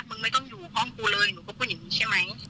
มึงไม่ต้องอยู่ห้องกูเลยหนูก็พูดอย่างนี้ใช่ไหม